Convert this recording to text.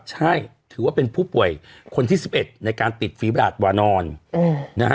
ใช่ถือว่าเป็นผู้ป่วยคนที่๑๑ในการติดฝีบราชวานอนนะฮะ